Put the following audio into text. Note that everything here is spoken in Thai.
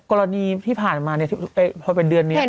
กรณีที่ผ่านมาพอเป็นเดือนนี้